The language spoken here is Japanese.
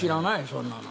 そんなの。